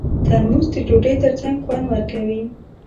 ترموز د ډوډۍ ترڅنګ خوند ورکوي.